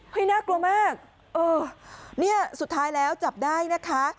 น่ากลัวมากเออเนี่ยสุดท้ายแล้วจับได้นะคะ